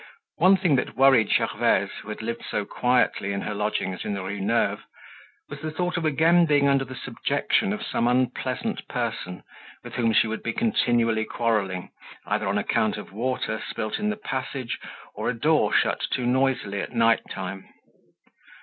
One thing that worried Gervaise who had lived so quietly in her lodgings in the Rue Neuve, was the thought of again being under the subjection of some unpleasant person, with whom she would be continually quarrelling, either on account of water spilt in the passage or of a door shut too noisily at night time.